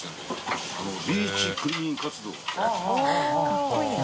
かっこいいな。